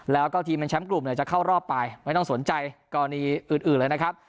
แล้วก็ทีมเป็นแชมป์กลุ่มเนี่ยจะเข้ารอบไปไม่ต้องสนใจกรณีอื่นเลยนะครับ